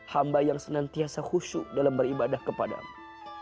hamba yang senantiasa khusyuk dalam beribadah kepadamu